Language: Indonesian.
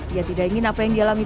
ia tidak ingin apa yang dialami